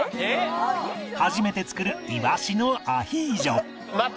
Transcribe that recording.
初めて作るいわしのアヒージョ